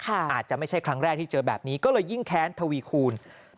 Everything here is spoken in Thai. อาจจะไม่ใช่ครั้งแรกที่เจอแบบนี้ก็เลยยิ่งแค้นทวีคูณ